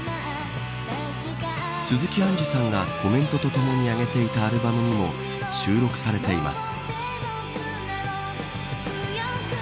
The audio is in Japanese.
鈴木杏樹さんがコメントとともに上げていたアルバムにも収録されています。